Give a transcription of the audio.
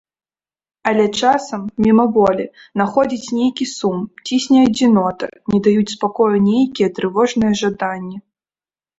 Але часам, мімаволі, находзіць нейкі сум, цісне адзінота, не даюць спакою нейкія трывожныя жаданні.